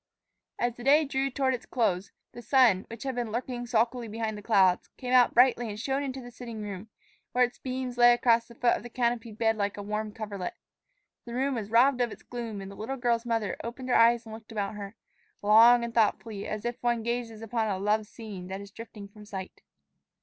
As the day drew toward its close the sun, which had been lurking sulkily behind the clouds, came out brightly and shone into the sitting room, where its beams lay across the foot of the canopied bed like a warm coverlet. The room was robbed of its gloom, and the little girl's mother opened her eyes and looked about her, long and thoughtfully, as one gazes upon a loved scene that is drifting from sight.